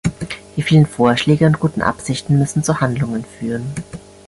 Die vielen Vorschläge und guten Absichten müssen zu Handlungen führen.